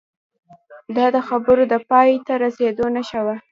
دا د خبرو د پای ته رسیدو نښه وه